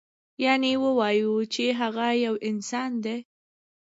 یعنې ووایو چې هغه یو انسان دی.